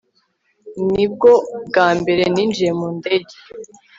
Nibwo bwa mbere ninjiye mu ndege